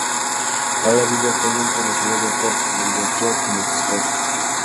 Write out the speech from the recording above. Laura vive actualmente en la ciudad de Oporto, donde actúa como gestora.